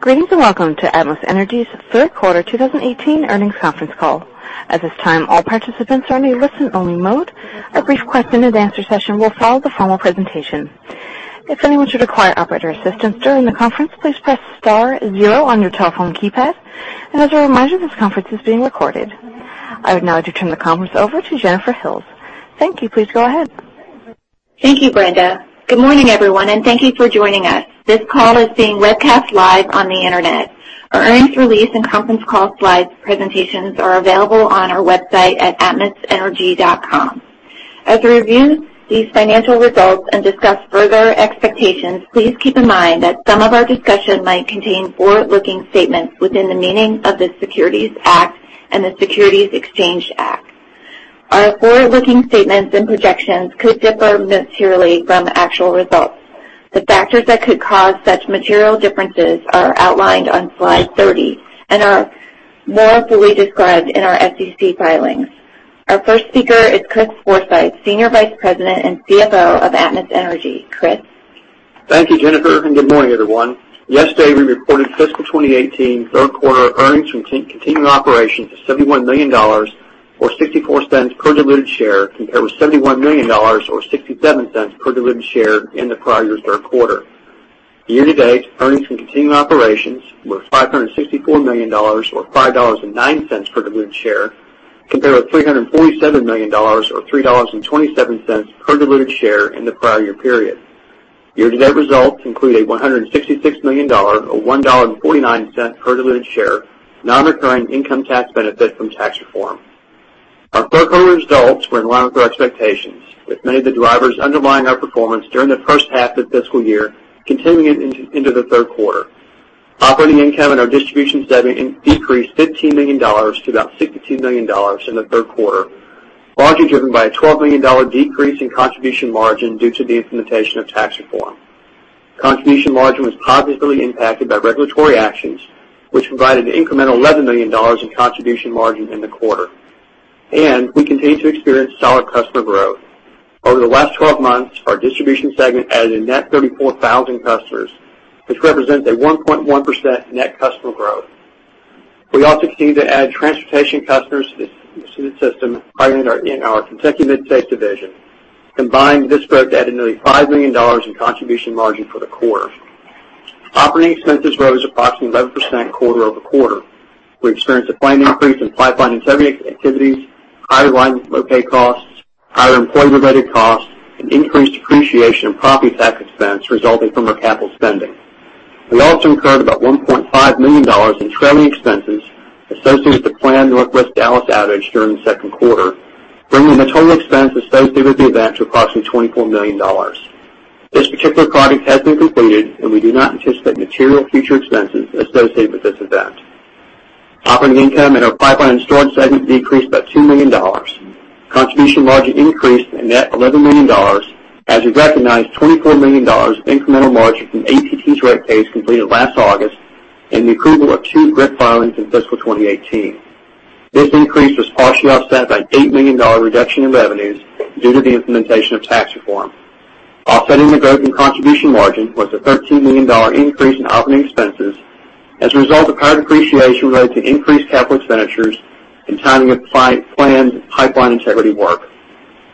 Greetings, welcome to Atmos Energy's third quarter 2018 earnings conference call. At this time, all participants are in a listen-only mode. A brief question-and-answer session will follow the formal presentation. If anyone should require operator assistance during the conference, please press star zero on your telephone keypad. As a reminder, this conference is being recorded. I would now like to turn the conference over to Jennifer. Thank you. Please go ahead. Thank you, Brenda. Good morning, everyone, thank you for joining us. This call is being webcast live on the internet. Our earnings release and conference call slides presentations are available on our website at atmosenergy.com. As we review these financial results and discuss further expectations, please keep in mind that some of our discussion might contain forward-looking statements within the meaning of the Securities Act and the Securities Exchange Act. Our forward-looking statements and projections could differ materially from actual results. The factors that could cause such material differences are outlined on slide 30 and are more fully described in our SEC filings. Our first speaker is Chris Forsythe, Senior Vice President and CFO of Atmos Energy. Chris? Thank you, Jennifer, good morning, everyone. Yesterday, we reported fiscal 2018 third quarter earnings from continuing operations of $71 million, or $0.64 per diluted share, compared with $71 million, or $0.67 per diluted share in the prior year's third quarter. Year-to-date earnings from continuing operations were $564 million, or $5.09 per diluted share, compared with $347 million or $3.27 per diluted share in the prior year period. Year-to-date results include a $166 million, or $1.49 per diluted share, non-recurring income tax benefit from tax reform. Our third-quarter results were in line with our expectations, with many of the drivers underlying our performance during the first half of the fiscal year continuing into the third quarter. Operating income in our distribution segment decreased $15 million to about $62 million in the third quarter, largely driven by a $12 million decrease in contribution margin due to the implementation of tax reform. Contribution margin was positively impacted by regulatory actions, which provided an incremental $11 million in contribution margin in the quarter. We continue to experience solid customer growth. Over the last 12 months, our distribution segment added a net 34,000 customers, which represents a 1.1% net customer growth. We also continue to add transportation customers to the system in our Kentucky/Mid-States division. Combined, this growth added nearly $5 million in contribution margin for the quarter. Operating expenses rose approximately 11% quarter-over-quarter. We experienced a planned increase in pipeline integrity activities, higher line locate costs, higher employee-related costs, and increased depreciation and property tax expense resulting from our capital spending. We also incurred about $1.5 million in trailing expenses associated with the planned Northwest Dallas outage during the second quarter, bringing the total expense associated with the event to approximately $24 million. This particular project has been completed, and we do not anticipate material future expenses associated with this event. Operating income in our pipeline and storage segment decreased by $2 million. Contribution margin increased a net $11 million as we recognized $24 million of incremental margin from APT's rate case completed last August and the approval of two GRIP filings in fiscal 2018. This increase was partially offset by an $8 million reduction in revenues due to the implementation of tax reform. Offsetting the growth in contribution margin was a $13 million increase in operating expenses as a result of higher depreciation related to increased capital expenditures and timing of planned pipeline integrity work.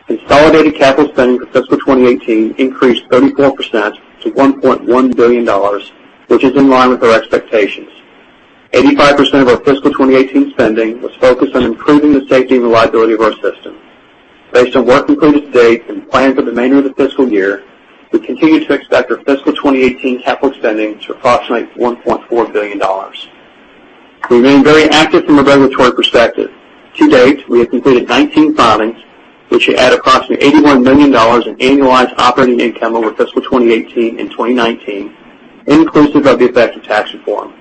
Consolidated capital spending for fiscal 2018 increased 34% to $1.1 billion, which is in line with our expectations. 85% of our fiscal 2018 spending was focused on improving the safety and reliability of our system. Based on work completed to date and planned for the remainder of the fiscal year, we continue to expect our fiscal 2018 capital spending to approximate $1.4 billion. We remain very active from a regulatory perspective. To date, we have completed 19 filings, which add approximately $81 million in annualized operating income over fiscal 2018 and 2019, inclusive of the effect of tax reform.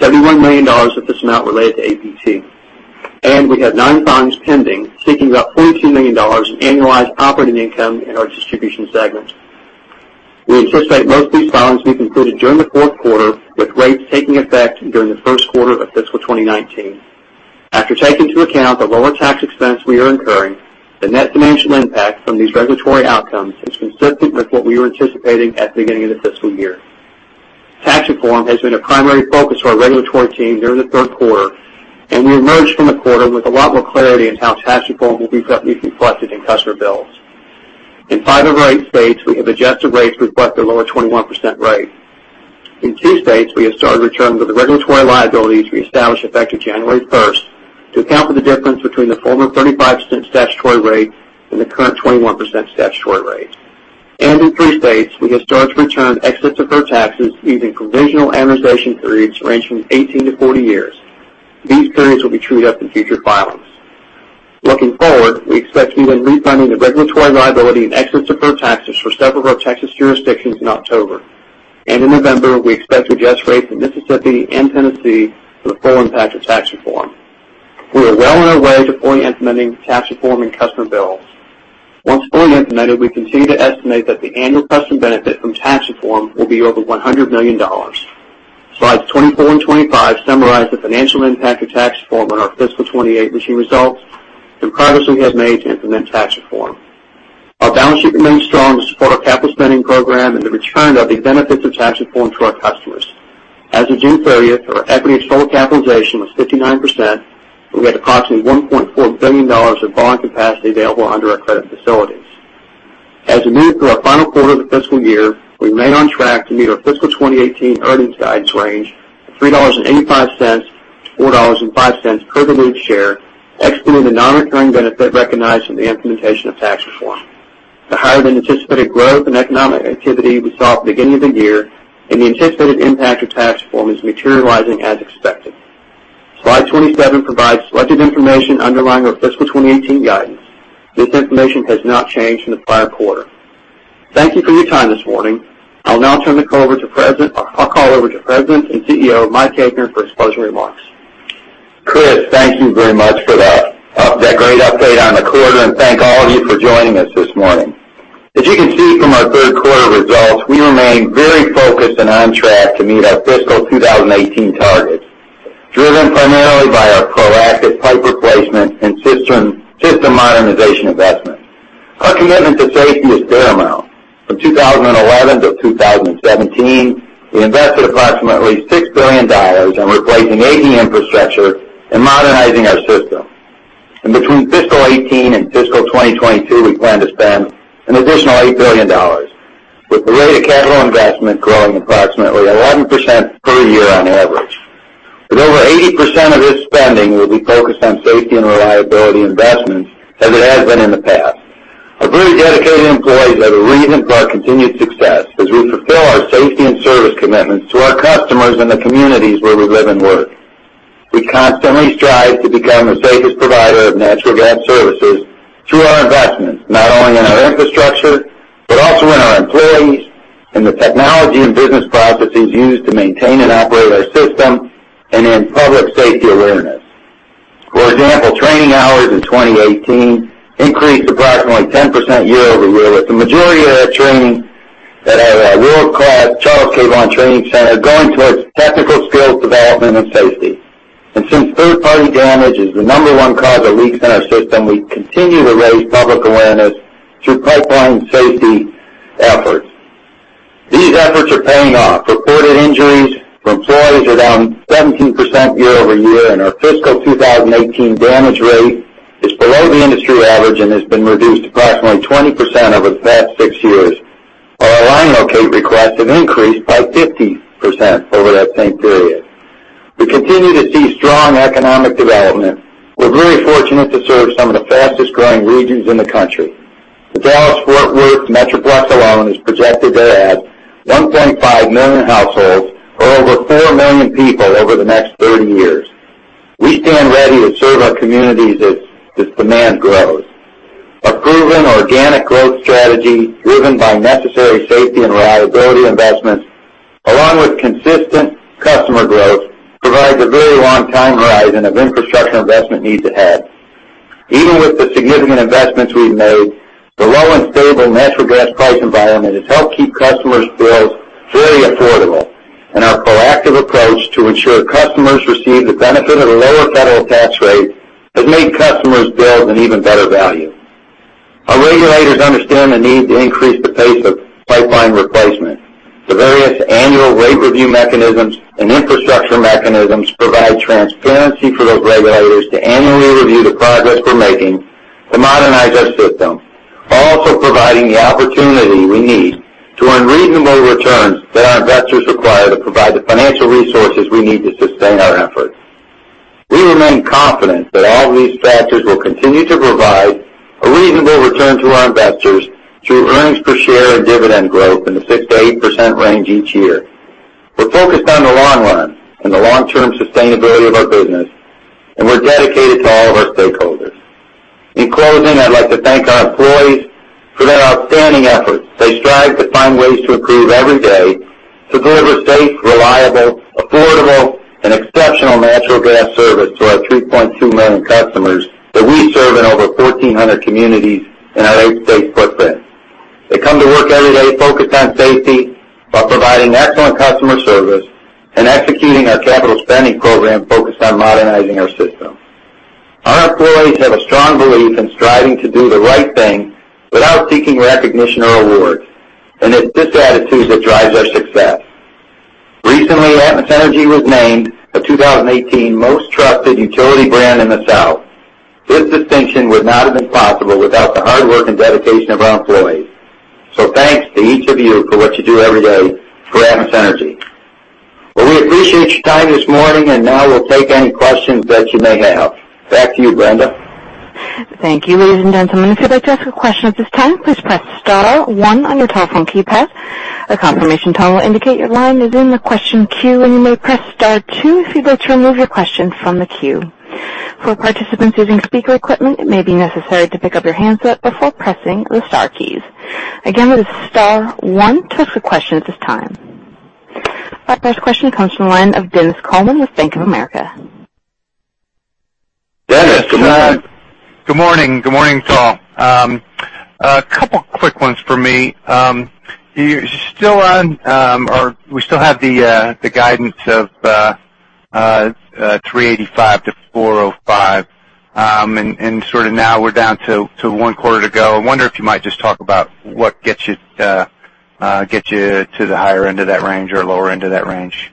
$71 million of this amount related to APT. We have nine filings pending, seeking about $14 million in annualized operating income in our distribution segment. We anticipate most of these filings will be concluded during the fourth quarter, with rates taking effect during the first quarter of fiscal 2019. After taking into account the lower tax expense we are incurring, the net financial impact from these regulatory outcomes is consistent with what we were anticipating at the beginning of the fiscal year. Tax reform has been a primary focus of our regulatory team during the third quarter, and we emerged from the quarter with a lot more clarity on how tax reform will be reflected in customer bills. In five of our eight states, we have adjusted rates to reflect the lower 21% rate. In two states, we have started to return the regulatory liabilities reestablished effective January 1st to account for the difference between the former 35% statutory rate and the current 21% statutory rate. In three states, we have started to return excess deferred taxes using provisional amortization periods ranging from 18 to 40 years. These periods will be trued up in future filings. Looking forward, we expect to begin refunding the regulatory liability and excess deferred taxes for several of our Texas jurisdictions in October. In November, we expect to adjust rates in Mississippi and Tennessee for the full impact of tax reform. We are well on our way to fully implementing tax reform in customer bills. Once fully implemented, we continue to estimate that the annual customer benefit from tax reform will be over $100 million. Slides 24 and 25 summarize the financial impact of tax reform on our fiscal 2018 results and progress we have made to implement tax reform. Our balance sheet remains strong to support our capital spending program and the return of the benefits of tax reform to our customers. As of June 30th, our equity-to-total capitalization was 59%, and we had approximately $1.4 billion of borrowing capacity available under our credit facilities. As we move through our final quarter of the fiscal year, we remain on track to meet our fiscal 2018 earnings guidance range of $3.85-$4.05 per diluted share, excluding the non-recurring benefit recognized from the implementation of tax reform. The higher-than-anticipated growth and economic activity we saw at the beginning of the year and the anticipated impact of tax reform is materializing as expected. Slide 27 provides selected information underlying our fiscal 2018 guidance. This information has not changed from the prior quarter. Thank you for your time this morning. I'll now turn the call over to President and CEO, Mike Haefner for his closing remarks. Chris, thank you very much for that great update on the quarter. Thank all of you for joining us this morning. As you can see from our third quarter results, we remain very focused and on track to meet our fiscal 2018 targets, driven primarily by our proactive pipe replacement and system modernization investments. Our commitment to safety is paramount. From 2011 to 2017, we invested approximately $6 billion in replacing aging infrastructure and modernizing our system. Between fiscal 2018 and fiscal 2022, we plan to spend an additional $8 billion, with the rate of capital investment growing approximately 11% per year on average. Over 80% of this spending will be focused on safety and reliability investments as it has been in the past. Our very dedicated employees are the reason for our continued success as we fulfill our safety and service commitments to our customers and the communities where we live and work. We constantly strive to become the safest provider of natural gas services through our investments, not only in our infrastructure, but also in our employees, in the technology and business processes used to maintain and operate our system, and in public safety awareness. For example, training hours in 2018 increased approximately 10% year over year, with the majority of that training at our world-class Charles Vaughan training center going towards technical skills development and safety. Since third-party damage is the number one cause of leaks in our system, we continue to raise public awareness through pipeline safety efforts. These efforts are paying off. Reported injuries for employees are down 17% year over year. Our fiscal 2018 damage rate is below the industry average and has been reduced approximately 20% over the past six years, while our line locate requests have increased by 50% over that same period. We continue to see strong economic development. We're very fortunate to serve some of the fastest-growing regions in the country. The Dallas-Fort Worth Metroplex alone is projected to add 1.5 million households or over four million people over the next 30 years. We stand ready to serve our communities as this demand grows. Our proven organic growth strategy, driven by necessary safety and reliability investments, along with consistent customer growth, provides a very long time horizon of infrastructure investment needs ahead. Even with the significant investments we've made, the low and stable natural gas price environment has helped keep customers' bills very affordable. Our proactive approach to ensure customers receive the benefit of the lower federal tax rate has made customers' bills an even better value. Our regulators understand the need to increase the pace of pipeline replacement. The various annual rate review mechanisms and infrastructure mechanisms provide transparency for those regulators to annually review the progress we're making to modernize our system, while also providing the opportunity we need to earn reasonable returns that our investors require to provide the financial resources we need to sustain our efforts. We remain confident that all these factors will continue to provide a reasonable return to our investors through earnings per share and dividend growth in the 6%-8% range each year. We're focused on the long run and the long-term sustainability of our business. We're dedicated to all of our stakeholders. In closing, I'd like to thank our employees for their outstanding efforts. They strive to find ways to improve every day to deliver safe, reliable, affordable, and exceptional natural gas service to our 3.2 million customers that we serve in over 1,400 communities in our eight-state footprint. They come to work every day focused on safety while providing excellent customer service and executing our capital spending program focused on modernizing our system. Our employees have a strong belief in striving to do the right thing without seeking recognition or awards. It's this attitude that drives our success. Recently, Atmos Energy was named the 2018 Most Trusted Utility Brand in the South. This distinction would not have been possible without the hard work and dedication of our employees. Thanks to each of you for what you do every day for Atmos Energy. We appreciate your time this morning. Now we'll take any questions that you may have. Back to you, Brenda. Thank you. Ladies and gentlemen, if you'd like to ask a question at this time, please press star one on your telephone keypad. A confirmation tone will indicate your line is in the question queue. You may press star two if you'd like to remove your question from the queue. For participants using speaker equipment, it may be necessary to pick up your handset before pressing the star keys. That is star one to ask a question at this time. Our first question comes from the line of Dennis Coleman with Bank of America. Dennis, good morning. Good morning. Good morning, all. A couple quick ones for me. We still have the guidance of $3.85-$4.05. Now we're down to one quarter to go. I wonder if you might just talk about what gets you to the higher end of that range or lower end of that range. Yeah,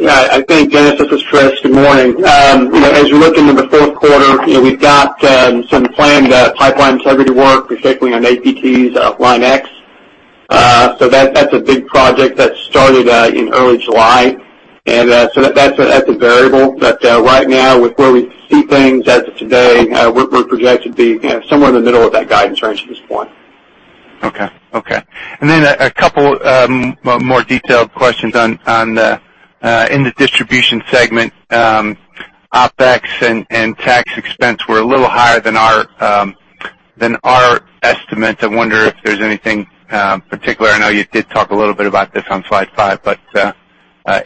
I think, Dennis, as was stressed. Good morning. As we look into the fourth quarter, we've got some planned pipeline integrity work, particularly on APT's Line X. That's a big project that started in early July. That's a variable. Right now, with where we see things as of today, we're projected to be somewhere in the middle of that guidance range at this point. Okay. A couple more detailed questions. In the Distribution Segment, OpEx and tax expense were a little higher than our estimate. I wonder if there's anything particular, I know you did talk a little bit about this on slide five,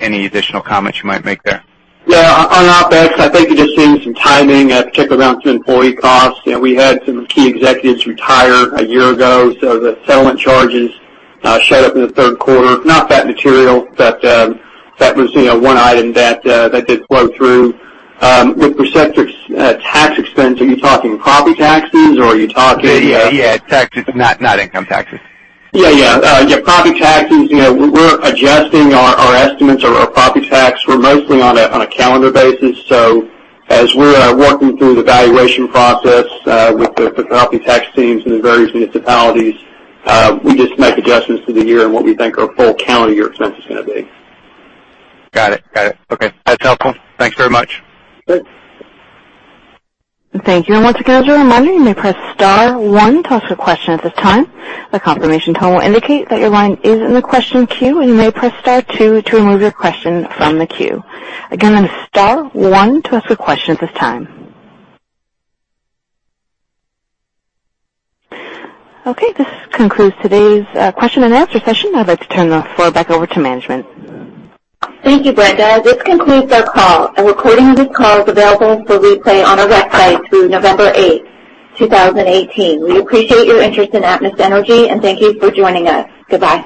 any additional comments you might make there? On OpEx, I think you're just seeing some timing, particularly around some employee costs. We had some key executives retire a year ago, so the settlement charges showed up in the third quarter. Not that material, but that was one item that did flow through. With respect to tax expense, are you talking property taxes or are you talking- Taxes, not income taxes. Property taxes, we're adjusting our estimates or our property tax. We're mostly on a calendar basis, so as we're working through the valuation process with the property tax teams in the various municipalities, we just make adjustments to the year and what we think our full calendar year expense is going to be. Got it. Okay. That's helpful. Thanks very much. Sure. Thank you. Once again, as a reminder, you may press star one to ask a question at this time. A confirmation tone will indicate that your line is in the question queue, and you may press star two to remove your question from the queue. That is star one to ask a question at this time. This concludes today's question and answer session. I'd like to turn the floor back over to management. Thank you, Brenda. This concludes our call. A recording of this call is available for replay on our website through November 8th, 2018. We appreciate your interest in Atmos Energy, thank you for joining us. Goodbye.